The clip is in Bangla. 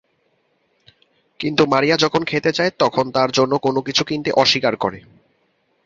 কিন্তু মারিয়া যখন খেতে চায়, তখন তার জন্য কোন কিছু কিনতে অস্বীকার করে।